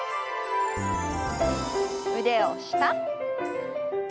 腕を下。